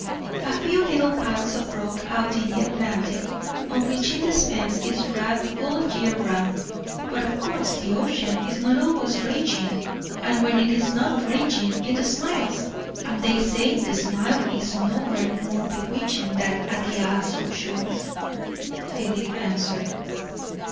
"A few little piles of rock out in the Atlantic, on which it spends its wrath all the year round; but of course the ocean is not always raging; and when it is not raging, it smiles; and they say the smile is nowhere more bewitching than at the Isles of Shoals," Philip answered.